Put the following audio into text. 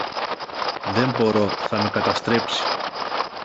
Δεν μπορώ, θα με καταστρέψει